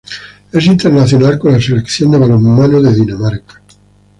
Es internacional con la selección de balonmano de Dinamarca.